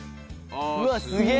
「うわっすげえ！」